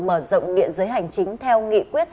mở rộng địa giới hành chính theo nghị quyết